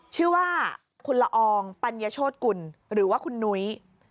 ชื่อว่าคุณละอองปัญญาโชธกุลหรือว่าคุณนุ้ย